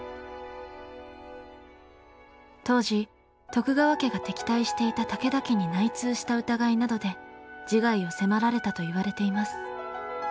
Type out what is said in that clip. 当時徳川家が敵対していた武田家に内通した疑いなどで自害を迫られたといわれています。